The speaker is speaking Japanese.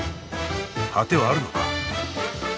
果てはあるのか？